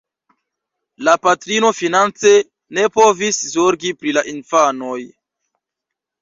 La patrino finance ne povis zorgi pri la infanoj.